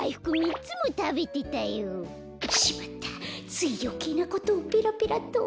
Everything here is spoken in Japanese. ついよけいなことをペラペラと。